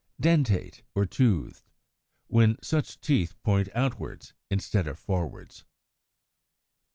Dentate, or Toothed, when such teeth point outwards, instead of forwards; as in Fig.